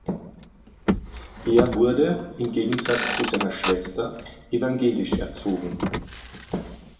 Er wurde, im Gegensatz zu seiner Schwester, evangelisch erzogen.